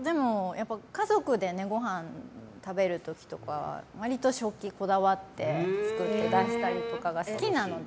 家族でごはん食べる時とか割と食器こだわって作って出したりとかが好きなので。